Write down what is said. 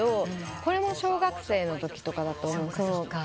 これも小学生のときとかだと思うんですけど。